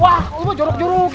wah lu mah jorok jorokin sih